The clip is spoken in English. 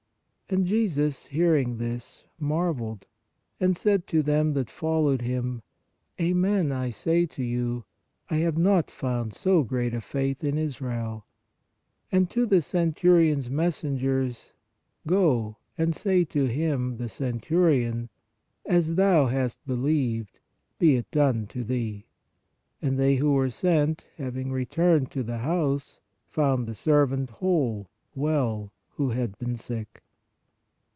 And Jesus, hearing this, marveled, and said to them that followed Him: Amen, I say to you, I have not found so great a faith in Israel; and to the centurion s messengers, Go, and say to him (the centurion), as thou hast believed, be it done to thee. And they who were sent, having returned to the house, found the serv ant whole (well) who had been sick."